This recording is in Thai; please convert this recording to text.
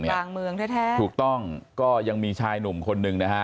กลางเมืองแท้ถูกต้องก็ยังมีชายหนุ่มคนหนึ่งนะฮะ